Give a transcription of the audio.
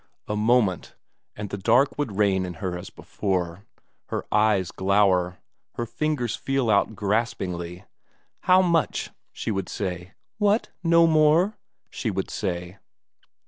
A moment and the darkness would reign in her as before; her eyes glower, her fingers feel out graspingly how much? she would say. What, no more? she would say.